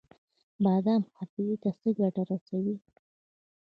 بادام حافظې ته څه ګټه رسوي؟